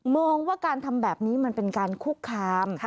มองว่าการทำแบบนี้มันเป็นการคุกคาม